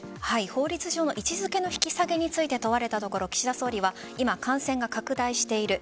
法律上の位置付けの引き下げについて問われたところ岸田総理は今、感染が拡大している。